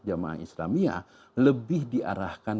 jamaah islamiyah lebih diarahkan